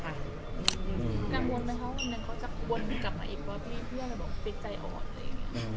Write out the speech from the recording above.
กังวลไหมคะว่าเขาจะกังวลกลับมาอีกพี่ย่าบอกว่าติดใจออกอะไรอย่างนี้